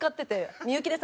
「幸です。